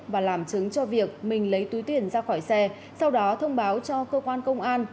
và làm chứng cho việc mình lấy túi tiền ra khỏi xe sau đó thông báo cho cơ quan công an